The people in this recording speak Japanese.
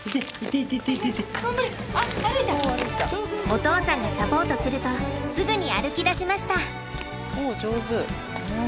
お父さんがサポートするとすぐに歩きだしました。